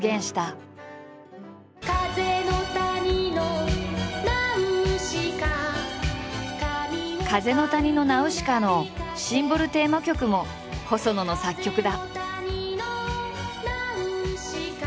「風の谷のナウシカ」「風の谷のナウシカ」のシンボル・テーマ曲も細野の作曲だ。